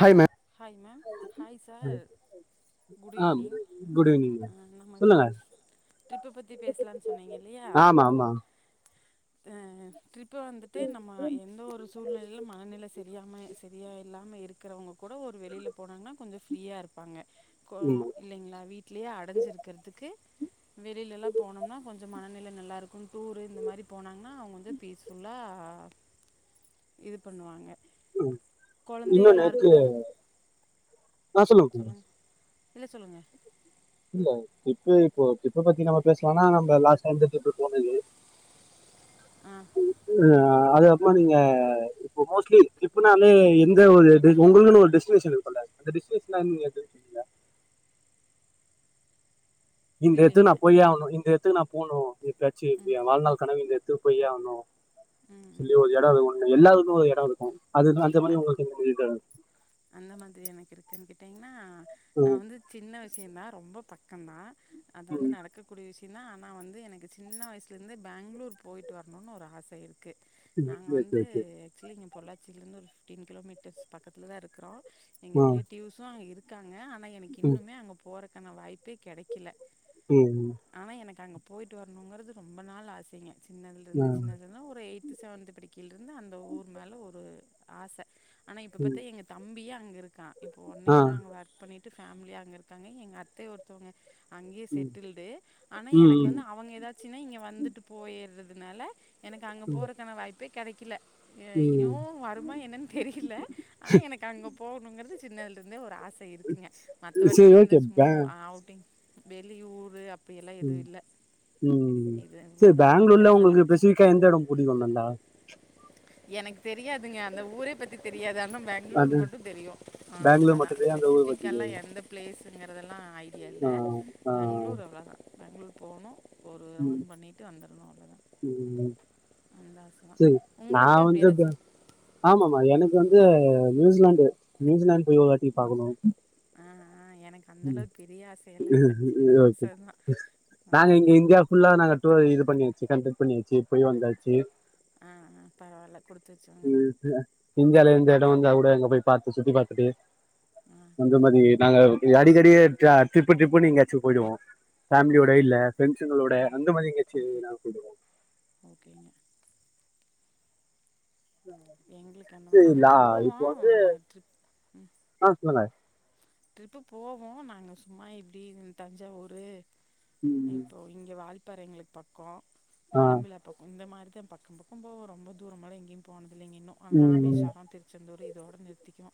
Hi ma'am hi hi sir அ good eve அ நம்ம இப்போ ட்ரிப்புபத்தி பேசலான் சொன்னீங்கல்லியா ஆமா ஆமா ஆ ட்ரிப்பு வந்துட்டு நம்ம எந்த ஒரு சூழ்நிலய்லு மனநில செ தெரியாம சரியா இல்லாமல் இருக்கறவ்ங்க கூட ஒரு வெளில போனாங்னா கொஞ்சோ ஃப்ரீயா இருப்பாங்க கோவோ ம், இல்லைங்ளா வீட்லயே அடைஞ்சு இருக்கற்துக்கு வெளிலலா போனோம்னா கொஞ்சோ மனநில நல்லாருக்கு டூரு இந்த மாரி போனாங்கனா அவுங்க வந்து பீஸ் ஃபுல்லா அ இது பண்ணுவாங்க இன்னு குழந்தைகளாக நேத்து இருக்கட்டும் ஆ சொல்லுங்க சொல்லுங்க இல்ல சொல்லுங்க இல்ல ட்ரிப்பு இப்போ ட்ரிப்ப பத்தி நம்ம பேசலானா நம்ப லாஸ்ட் டைம் இந்த ட்ரிப்பு போனது ஆ ம் அதுக்கப்றோ நீங்க இப்போ மோஸ்ட்லி ட்ரிப்புனாலே எந்த ஒரு இது உங்குளுனு ஒரு டெஸ்டினேஷன் இருக்குல அந்த டெஸ்டினேஷனா என்னா நீங்க தெரிஞ்சிகனுல இந்த எடத்துக்கு புரியலைங்க நா போயே ஆவணு இந்த எடத்துக்கு நா போணு எப்பயாச்சு இது எ வாழ்நாள் கனவு இது இது போயே ஆவணு ம் ம் சொல்லி ஒரு எடோ இருக்கு ஒன்னு எல்லாருக்கு ஒரு எடோ இருக்கும் அதுனா அந்த மாரி அது உங்குளுக்கு எதா தெரிதா அந்த மாதிரி எனக்கிருக்கான் கேட்டீங்னா நா ம், வந்து சின்ன விஷயோந்தா ரொம்ப பக்கந்தா அது வந்து ம், நடக்கக்கூடிய விஷ் என்னா நா வந்து எனக்கு சின்ன வய்சுல இருந்து பேங்ளூர் போய்ட்டு வரணுனு ஒரு ஆச இருக் க்கு ம், நாங்க ஓகே வந்து ஓகே ஆக்சுலி இங்க பொள்ளாச்சில்ருந்து ஒரு ஃபிஃப்டீன் கிலோமீட்டர்ஸ் பக்கத்துலதா இருக்கறோ எங்க ஆ ரிலேட்டிவ்ஸு அங்க இருக்காங்க ஆனா எனக் ம் இன்னுமே அங்க போறக்கான வாய்ப்பே கெடைக்கில ம் ஆனா எனக்கு அங்க போய்ட்டு வர்ணுங்கற்து ரொம்ப நாள் ஆசைங்க ஆ சின்னதுலருந்து சின்னதுலருந்துனா ஒரு எய்து செவன்து படிக்கில்ருந்து அந்த ஊர் மேல ஒரு ஆச ஆனா இப்ப பாத்தா ம் எங்க தம்பியே அங்கருக்கா இப்ப ஒன் ஆ இயரா அங்க ஒர்க் பண்ணிட் வித்து ஃபேமிலியா அங்க இருக்காங்க எங்க அத்த ஒருத்தொவ்ங்க அங்யே ம் செட்டில்டு ஆனா எனக்கு வந்து ம் அவங்க ஏதாச்சுனா இங்க வந்துட்டு போயிற்றதுனால எனக்கு அங்க ம் ம் போறக்கான வாய்ப்பே கடைக்குள இனு ம் வருமா என்னன் தெரியில்ல ஆனா எனக்கு அங்க போணுங்கற்து சின்னத்லருந்தே ஒரு ஆ ச இருக்குங்க சரி மத்தபடிக்கு இந்த ஓகே சும்மா பே ஆ அவுட்டிங் வெளியூரு அப் அப்டியெல்லா எது ம் இல்ல ம் செரி பேங்ளூர்ல உங்ளுக்கு தான் சி- பெசிஃபிக்கா எந்த எடோ பிடிக்கு நல்லா எனக்கு தெரியாதுங்க அந்த ஊரே பத்தி தெரியாது ஆனா அது மட்டு தெரியு ஆ பெங்களூர் அவ்ளோதா மட்டு தெரியா அந்த ஊர் பத்தி ஸ்பெசிஃபிக்காலா தெரியா எந்த ப்ளேஸுங்கற்தல்லா ஐடியா இல்ல ஆ ஆ பெங்ளூர் அவ்ளோதா பெங்ளூர் போணு ஒரு ம் ரவுண் பண்ணிட்டு வந்துர்னு அவ்ளோதா ம் அந்தாசதா உங்குளுக்கு அப்டி எதாச்சு ஆமாம்மா எனக்கு வந்து நியூசிலாந்து நியூசிலாந்து போய் ஒருவாட்டி பாக்கணு நியூஸில் ஆ ஆ எனக் ம் அந்தளவுக் பெரிய ஆசையல்லா இல்ல ம் சின்ன ஓகே ஆசதா நாங்க இங்க இந்தியா ஃபுல்லா நாங்க டூர் இது பண்ணியாச்சு கம்ப்ளீட் பண்ணியாச்சு போய் வந்தாச்சு ஆ அ பரவால்ல குடுத்து வெச்சவங்கதா ட்ட வந்தாகூட எங்க போய் பாத்து சுத்தி பாத்துட்டு ஆ அந்த மாரி நாங்க அடிகடி எப்யா ட்ரிப்பு ட்ரிப்புனு எங்யாச்சு போய்டுவோ பேமிலியோட ஓகே இல்ல ஓகே ஃபரெண்ட்ஸ்ங்களோ ஓ எந்த மாதிரி கட்சிய ஓகே நா கொண்டுவோ ஓகேங்க எங்களுக்கு அந்த மாரி சிஸ்டர் நாங்க நா போவோ இப்போ வந்து ட்ரிப் ஆ சொல்லுங்க ட்ரிப்பு போவோ நாங்க சும்மா இப்டி தஞ்சாவூரு ம் இப்போ இங்க வால்பாறை எங்களுக்கு பக்கோ ஆ மழம்பில பக்கோ இந்த மாரி பக்கோ பக்கோ போவோ ரொம்ப தூரமல எங்கயு போனது இல்லீங்க இன்னு ம் ராமேஷ்வரோ திருச்செந்தூர் இதோட நிர்த் திக்றோ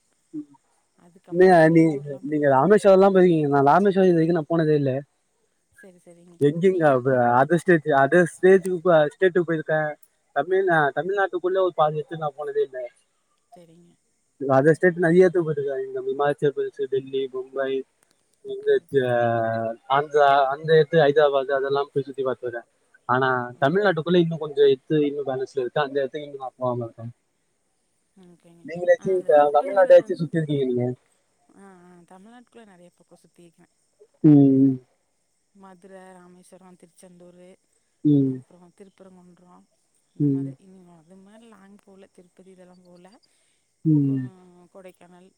நீங்க அதுக்கப்புறோ நீ வெளியூரு நீங்க ராமேஸ்வரோ எல்லா போயிருக்கீங்க நா ராமேஸ்வரோ இது வரைக்கு நா போனதே இல்ல செரி செரிங்க எங்கிங்க நீங்க எந்த ஊர் அத ஸ்டேஜ் அத ஸ்டேஜ் ஸ்டேட் போயிருக்க தமிழ்நா ம் தமிழ்நாட்டுக்குள்ள ஒரு பாதி எடத்துக்கு நா போனதே இல்ல செரிங்க அதர்ஸ்டேட்டு நெறைய எத்துக்கு போய்ருக்க இந்த இமாச்சல பிரதேஷ் டெல்லி மும்பை இந்த ஓகே அந்த ஆந்ரா ஹைதராபாத் அதெல்லா போய் சுத்தி பாத்து இருக்க ஆனா ஓகே தமிழ்நாட்டுக்குள்ள இன்னு கொஞ்சோ எத்து இன்னு பேனஸ்ல இருக்கு அந்த எடத்துக்கு இன்னு நா போவாம இருக்க ம் ஓகேங்க நீங்களாச்சு தமிழ்நாட்ட எச்சி சுத்தி இருக்கீங்க நீங்க ஆஹ் ஆஹ் தமிழ்நாட்டு்குள்ள நிறைய பக்கோ சுத்தி இருக்கே உம் மதுர ராமேஸ்வரோ திருச்செந்தூரு ம், அப்புறோ திருப்பரங்குன்றோ அந்த ம், மாதிரி இனி அது மாதிரி லாங் போல திருப்பதி இதெல்லா போல உம் கனல்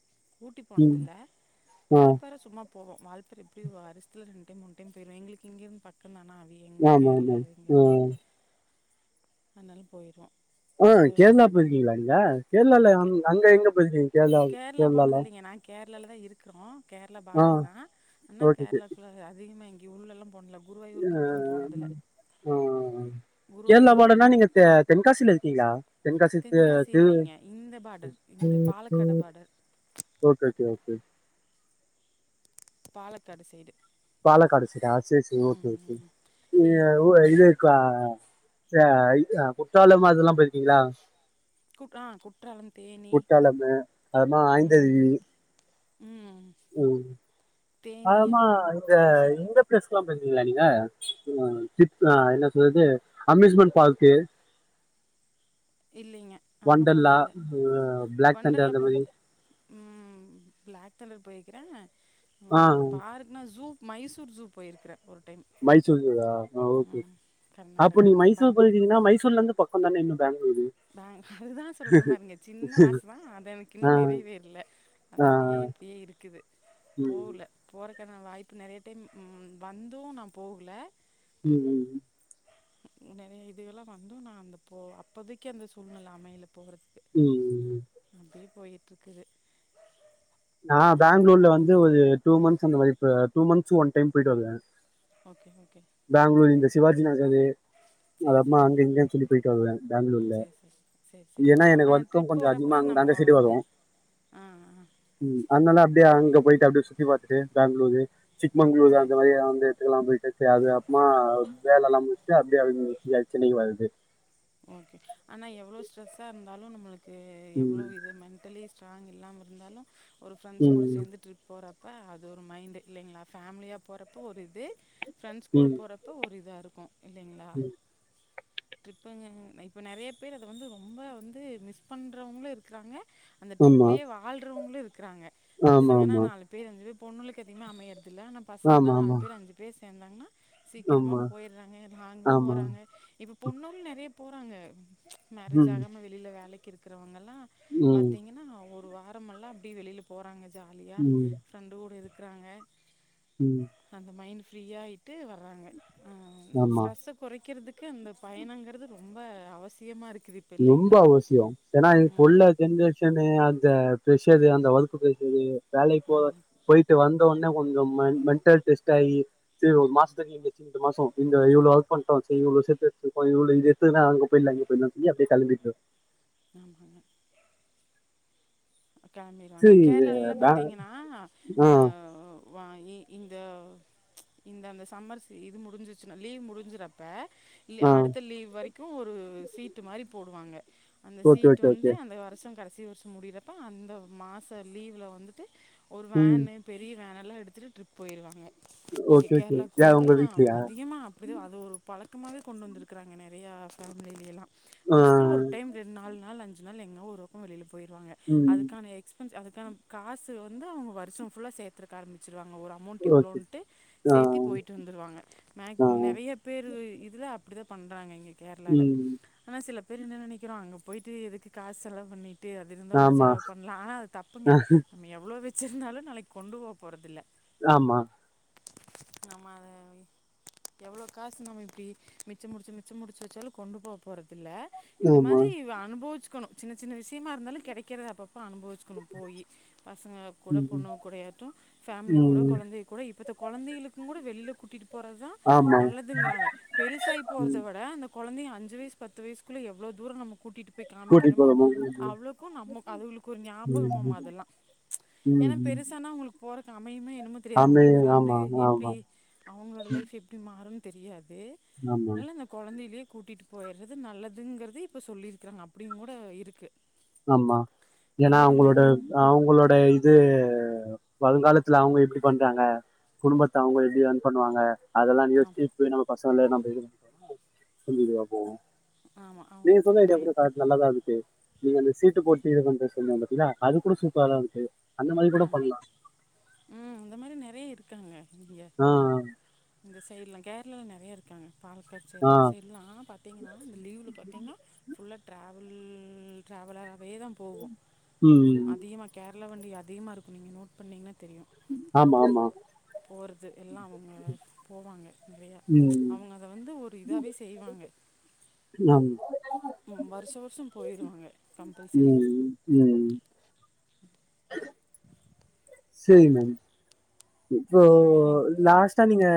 ஊட்டி போனதில்ல ஆ வால்ப்பார சும்மா போவோ வால்ர் எப்டி வருஷத்துல ரெண்டு டைம் மூனு டைம் போயிருவ எங்களுக்கு இங்கிருந்து பக்க தானா அவி எங்கள் ஆமா கேரளா ஆமா இங்கேருந்து ஆஹ் அதனால போயிருவோ ஆஹ் கேரளா போயிருக்கீங்களா நீங்க கேரளால கே அங்க எங்க போய்ருக்கீங் கேரளா போனது இல்லிங்க நா கேரளால தா இருக்கறோ கேரளா ஆ பார்டர் தா ஆனா ஓகே ஓகே கேரளாக்குள்ள அதிகமா எங்கியு உள்ள எல்லா போண்ல குருவாயூருக்கு அப்றோ போனதில்ல ஆ, கேரளா பாடர்னா நீங்க தெ தென்காசியில இருக்கீங்கா தென்காசி தி திரு இல்லைங்க இந்த பார்டர் இந்த Palakkad border okay okay okay Palakkad side Palakkad சிடா சரி சரி ம் ஓகே ஓகே ம் இது இ அஹ் இது குற்றாலம் அதுல்லா போயிருக்கீங்களா குட் ஆ குற்றாலம் தேனி குட்டாளமு அதப்பமா ம் ம் ஐந்தருவி ம் உம் தேனி ஆமா எல்லா அங் இந்த சை எங்க பிரஸ் இதுக்லா போய்ருக்கீங்களா நீங்க என்ன சொல்றது அம்யூஸ்மெண்ட் பார்க்கு இல்லைங்க அங்க ஒண்டர்லா போனதில்ல அஹ் பிளாக் தண்டர் அந்த மாரி உம் ப்ளாக் தண்டர் போய்க்கிற ஆ பார்க்னா ஜூ மைசூர் ஜூ போயிருக்கற மைசூர் ஜூவா அஹ் ஓகே ம் அப்ப கர்நாடகா நீ மைசூர் மங்பான். போய்ருகீங்கன்னா மைசூர்ல இருந்து பக் பக்கோ தான இன்னு பேங்ளூ தாங் அதுக்குதா சொல்ற பாருங்க சின்ன ஆசதா அத எனக்கு இன்னு ஆ நிறைவேறல்ல அது ஆ அப்டியே இப்டியே இருக்குது ம் போல போற வாய்ப்பு நெறைய டைம் வந்து நா போகல உம் உம் நெறைய இதுகல்லா வந்து நா அங்க போ அப்போதைக்கு அந்த சூழ்நெல அமையல போகறதுக் உம்ம்ம் போய்ட்ருக்குது நா பெங்களூர்ல வந்து ஒரு டூ மந்த்ஸ் அந்த மாரி ஆ டூ மந்த்ஸ் ஒன் டைம் போயிட்டு வருவே ஓகே ஓகே பெங்க்ளூர் இந்த சிவாஜி நகரு அதுக்கு சரி அப்மா அங்க சரிங்க இங்க சொல்லி போயிட்டு வருவே பெங்க்ளூர்ல சரி சரி சரி சரிங்க ஏன்னா எனக்கு ஆனா வர்க்கு ட்ரிப் கொஞ்ச அதிகமா போறப்ப நம்ம அந்த சைடு வரு வந்து ஆ ஆ ம் அதுனால அப்டியே அங்க போய்ட்டு அப்டியே சுத்தி பாத்துட்டு பேங்க்ளூரு சிக்மங்குளூர் அந்த சரி மாரி அந்து எடத்துக்குலா போயிட்டு சே அது அப்பமா ஒ வேல எல்லா முடிச்ட்டு அப்டியே [unintelligible] சென்னைக்கு வர்றது ஓகே ஆனா எவ்ளோ ஸ்டரெஸ்ஸா இருந்தாலு நம்மளுக் ம் ஸ்ட்ராங் இல்லாம இருந்தாலு ஒரு ஃப்ரண்ட்ஸ் கூட ம் சேந்து ட்ரிப் போறப் ப அது ஒரு மைண்ட் இல்லைங்களா ஃபேமிலியா போகறப்பொ ஒரு இது ஃப்ரெண்ட்ஸ் கூட ம் போறப்பொ ஒரு இதா க்கு இல்லைங்களா ம் இப்போ இங்க க இப்போ நெறைய பேர் அத வந்து ரொம்ப வந்து மிஸ் பண்ணுறவங்களு இருக்குறாங்க அந்த ஆமா ட்ரிப்லேயே வாழ்றவங்களு இருக்குறாங்க ஆமா பசங்கன்னா ஆமா நாலு பேர் அஞ்சு பேர் பொண்ணுகளுக்கு அதே மா அமையற் இதுல ஆனா பசங்கன்னா நாலு ஆமா ஆமா பேர் அஞ்சு பேர் சேந்தாங்கன்னா சீக்கிரமா ஆமா போயிடுறாங்க லாங்கு ஆமா போறாங்க இப்ப பொண்னுங்களு நெறைய போறாங்க மேரேஜ் ம் ஆகாம வெளியில வேலைக்கு இருக்கிறவங்கல்லா ம் பாத்தீங்கன்னா ஒ ரு வாரமெல்லா அப்டியே வெளியில போறாங்க ஜாலியா ம் ஃப்ரெண்டு கூட இருக்குறாங்க ம் அந்த மைண்ட் ஃபிரீயாயிட்டு வர்றாங்க ஆ ஆமா ஸ்ட்ரெஸ்ஸ கெறைக்கிறதுக்கு அந்த பயணங்குறது ரொம்ப அவசியமா இரு ரொம்ப அவசியோ ஏன்னா இப்ப உள்ள ஜென்ரேஷனு அந்த ஃபிரஷ ஆது அந்த ஒர்க் பிரஷரு வேலைக்கு போ ஆமாம் போயிட்டு வந்த ஒன் என்ன கொஞ்சொ ம மென்டல் டெஸ்ட் ஆயி சேரி ஒரு மாசத்துக்கு இந்த சி இந்த மாசொ இந்த இவ்ளோ ஒர்க் பண்ட்டோ செ மூணு வர்ஷத்து வெச்சுருப்பா இவ்ளோ இத எத்துற அங்க போயிட்லா இங்க போயிட்டா செரியா [unintelligible] ம் கெளம்பிடுவாங்க சரி இது கேரளாலலா பே பாத்தீங்கன்னா ஆ வா இ இந்த இந்த அந்த சம்மர்ஸ் ஸி இது முடிஞ்சிருச்சுனா லீவ் முடிஞ்சிறோ அப்ப இ ஆ அடுத்த லீவ் வரைக்கு ஒரு சீட்டு மாரி போடுவாங்க அந்த ஓகே, சீட் ஓகே, வந்து ஓகே. அந்த வருஷ கடைசி வருஷ முடியிற போ அந்த மாச லீவ்ல வந்துட்டு ஒரு ம். வேனு பெரிய வேனெல்லா எடுத்துட்டு ட்ரிப் போயிறுவாங்க இங்க ஓகே, ஓகே. யார் கேரளாக்குள்ளல்லா உங்க வீட்லயா? அதிகமா அப்டிதா அது ஒரு பழக் கமாவே கொண்டு வந்துருக்குறாங்க நெறையா ஃபேமில எல்லா ஆ வருஷத்துல ஒரு டைம் ரெண்டு நாலு நாள் அஞ் சு நாள் எங்கனா ஒரு பக்க வெளியில போயடுவாங்க ம். அதுக்கான எக்ஸ்பென்ஸ் அது க்கா காசு வந்து அவங்க வருஷ ஃபுல்லா சேத்துருக்க ஆரம்பிச்சு ருவாங்க ஒரு அமௌண்ட் ஓகே. இவ்ளோன்ட்டு ஆ சேத்தி போயிட்டு வந்துருவாங்க நெ ஆ நெறைய பேர் இதுல அப்டிதா பண்றாங்க இங்க கேர்ளால ம். ஆனா சில பேர் என்ன நெனைக்கிறோ அங்க போயிட்டு எதுக்கு காச் செலவு பண்ணி ட்டு அது இருந்தா ஒரு ஆமா. செலவு பண்லா ஆனா அது தப்புங்க நீங்க எவ்வளோ வெச்சுருந்தாலு நாளைக்கு கொண்டு போ போறதில்ல லாமா நம்ம அது எவ்ளோ காசு நம்ம இப்டி மிச்ச புடிச்சு மிச்ச புடிச்ச வச்சாலு கொண்டு போ போற துல்ல இந்த ஆமா. மாதிரி அனுபவிச்சக்கணு சின்ன சின்ன விஷயமா இருந்தாலு கெடைக்கிறத அப்பப்ப அனுபவி ச்சுக்கனு போய் பசங்க குட ம். பொண்ணு கூடயாட்டு பேமிலி கூட ம். கொழந்தை கூட கொழந்தைகளுக்கு கூட வெளியில கூட்டிகிட்டு போறதுதா ஆமா நல்லதுங்குறாங்க பெருசாயி போறத ம் விட அந்த குழந்தையு அஞ்சு வயசு பத்து வயசுக்குள்ள எவ்வளோ தூரம் நம்ம கூட்டிகிட்டு போய் கூட்டிட்டு காமிக்கிறோமோ போறோமா அவ்வளோக்கு நம்ம அதுகளுக்கு ஒரு ம் ஞாபகமாமா அதெல்லா ம் ஏன்னா ம் பெருசாானா அவங்களுக்கு பொறக் ஏன்னமோ தெரியாது ஆமே அவங்க ஃபேமிலி ஆமா எப்டி ஆமா அவங்களோட லைஃப் எப்டி மாருன்னு தெரியாது ஆமா து இல்ல அந்த கொழந்தைகாலயே கூட்டிட்டு போயிடு நல்லதுங்குறது இப்ப சொல்லிருக்கறாங்க அப்டியும் கூட இருக்கு ஆமா ஏன்னா அவங்களோட பெரியவங்களுக்கு அவங்களோட இது வருங்காலத்துல அவுங்க இப்டி பண்றாங்க குடும்பத்த அவுங்க எப்டி ரன் பண்ணுவாங்க அதெல்லா யோசிச்சி ஆமா இப்ப உள்ள பசங்கலே நம்ம இது நம்மண்ணா சொல்லிட்டு வா போவோ ஆமா அவங்க நீங்கசொன்ன கொஞ்சோ ஐடியா மைண்ட் பசார் நல்லாதா இருந்துச்சு நீங்க அந்த சீட்டு போட்டு இது பண்றது சொன்னீங்க பாத்தீங்களா அது கூட சூப்பராதா இருந்துச்சு ஆமா ம் இந்த மாரி நறையா இருக்குங்க இங்கியே ஆ இந்த சைடுலா கேரளால நறைய இருக்காங்க பாலக்காடு சைடு ஆ அந்த சைடுலா பாத்தீங்ன்னா இந்த லீவுல பாத்தீங்ன்னா ஃபுல்லாக் டிராவல்ல் டிராவலாவேதா போவோ ம் அதிகமா கேரளா வண்டி அ அதிகமா இருக்கோ நோட் பண்ணீங்ன்னா தெரியு ஆமா ஆமா போறது எல்லா அவுங்க போவாங்க நெறையா ம் அவுங்க அத வந்து ஒரு டு இதாவே செய்வாங்க என்ன ம்மா ம் வர்ஷோ வர்ஷோ போய்ருவாங்க கம்பல் செரி ம் ம் செரி மேம் இப்போ வேற லாஸ்ட்டா நீங் இங்க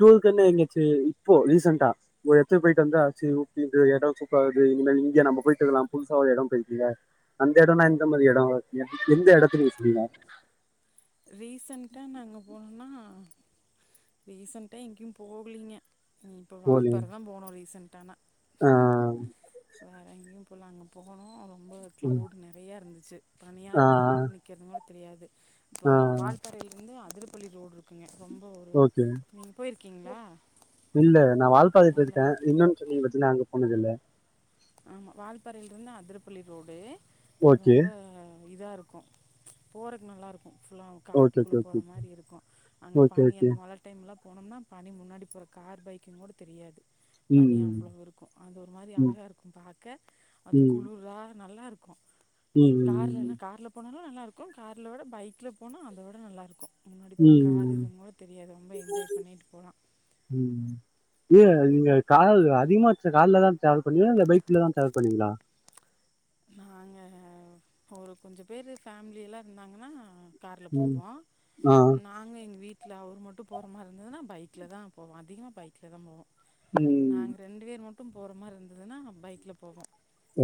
டுவல்டென்னு இங்காச்சி இப்போ ரீசன்டா ஒரு எடத்து போயிட்டு வந்தா [unintelligible] சூப்பராக்குது இனிமேல் இங்க நம்ம போயிட்டு நாம் புதுசா ஒரு இடம்போயிட்டுல்ல அந்த எடோனா எந்த மாரி எடோ எந்த எடத்துல நிப்பீங்க ரீசன்டா நாங்க போனோன்னா ரீசன்ட்டா எங்கயு போகலீங்க இப்போ போலீங்க வால்ப்பாற தா போனோ ரீசன்டானா வேற எங்கேயு போல அங்க போனோ ரொம்போ க்ளௌடு நறையா இருந்துச்சு ச்சு பனியா இருந்துது ஆரு நிக்குறதுங்கூட தெரியாது அப்றோ வால்பாறயிலிந்து திருப்பள்ளி ரோடு இருக்குங்க ரொம்போ ஒரு ஓகேங்க நீங்கள் போயிருக்கீங்களா இல்ல நா வால்பாற இல்லை போயிருக்க இன்னோன்னு சொன்னீங்க பாத் நா அங்க போனதுல்ல ஆமா வால்பாறையிலிருந்து அதிரப்பள்ளி ரோடு ஓகே ரொம்ப இதா இருக்கோ போறக்கு நல்லாருக் கோ ஃபுல்லா ஓகே காட்டுக்குள்ள ஓகே போற ஓகே மாரி இருக்கோ அங்க ஓகே பனி ஓகே அந்த மழ டைம்லா போனோம்னா பனி முன்னாடி போற கார் பைக்குங்கூட தெரியாது பனி ம் அவ்வளோவு இருக்கோ அது ஒரு மாரி ம் அழகா இருக்கு பார்க்க ம் அது குளுரா நல்லா இருக்கோ ம் கார்லலா கார்ல போனாலோ நல்லா இருக்கோ கார்ல விட பைக்ல போனா அத வுட நல்லாருக்கோ முன்னாடி போற கார் ம் இருக்கோம்போ தெரியாது ரொம்போ என்ஜாய் பண்ணீட்டு போலா ஏ நீங்க கார்ல அதிகமா கார்லதா டிராவல் பண்ணீவியா இல்ல பைக்லதா டிராவல் பண்ணுவீங்களா நாங்கள் ஒரு கொஞ்சோ பேரு ஃபேமிலி எல்லா இருந்தாங்கன்னா கார்ல ம் போவோ ஆ நாங்க எங்க வீட் ல அவரு மட்டு போற மாரி இருந்துதுனா பைக்ல தா போவோ அதிகமா பைக்ல தா போவோ ம் நாங்க ரெண்டு பேர் மட்டு போற மாரி இருந்துதுன்னா பைக்ல போவோ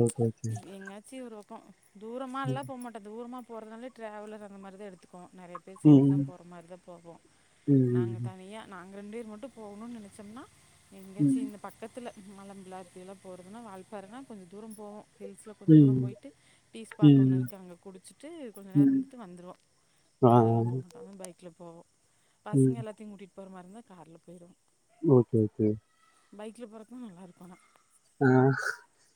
ஓகே ஓகே எங்யாச்சி ஒரு பக்கோ தூரமால்லா போ மாட்டோ தூரமா போறதுதனாலே ட்ராவலரு அந்தமாரி தா எடுத்துக்குவோ நறைய பேர் சேந்துதா ம் போற மாரிதா போவோ ம் நாங்க ம் தனியா நாங் நாங்க ரெண்டு பேரு மட்டு போவணோனு நெனச்சோம்னா எங்கேயாச்சு ம் இந்த பக்கத்துல மலம்புளா இது எல்லா போறதுன்னா வால்பாறன்னா கொஞ்ச தூரம் போனோ ஹில்ஸ்ல கொஞ்சோ தூரோ ம் போயிட்டு டீ ஸ்பாட் ஒன்னு ம் இருக்கு அங்க குடிச்சிட்டு கொஞ்சோ நேரோ ம் இருந்துட்டு வந்துருவோ ஆ மேலலெல்லா போவமட்டோ பைக்ல போவோ பசங்க ம் எல்லாத்தையு கூட்டிட்டு போற மாரி இருந்தா கார்ல போயிர்வோ ஓகே ஓகே பைக்ல போறப்ப நல்லா இருக்கோ ஆனா ஆ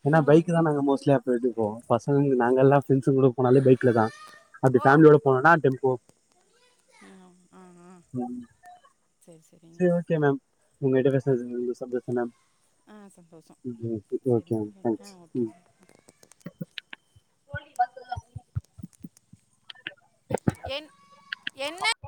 ஏன்னா பைக் தா நாங்க மோஸ் ஸ்லயே அப்ப வீட்டுக்கு போவோ பசங்க நாங்கல்லா ஃபிரண்ட்ஸ்ங்கு கூட போனாலே பைக் தா அப்படி ஓ ஃபேமிலியோட போனோனா டெம்போ ஆ ஆ ம் சரி சேரி சரிங்க ஓகே மேம் உங்க கிட்ட பேசினது ரொம்ப சந்தோஷ மேம் ஆ சந்தோஷோ ம் சரி ஓகே மேம் ஆ தேங்க்ஸ் ஓகே சொல்லி பாத்ததா என் என்ன